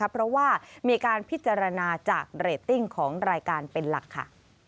เพราะว่ามีการพิจารณาจากเรตติ้งของรายการเป็นหลักค่ะ